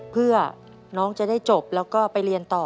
เพื่อน้องจะได้จบแล้วก็ไปเรียนต่อ